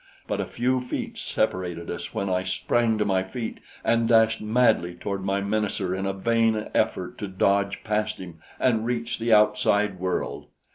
But a few feet separated us when I sprang to my feet and dashed madly toward my menacer in a vain effort to dodge past him and reach the outside world.